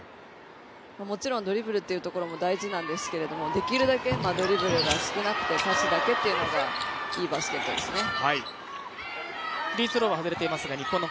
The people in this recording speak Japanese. もちろんドリブルというところも大事なんですけれどもできるだけドリブルが少なくてパスだけっていうのがいいバスケットですね。